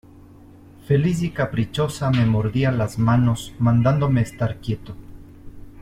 feliz y caprichosa me mordía las manos mandándome estar quieto.